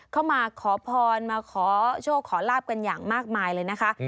มาขอพรมาขอโชคขอลาบกันอย่างมากมายเลยนะคะ